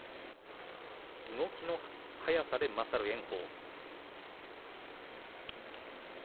動きの速さで勝る炎鵬。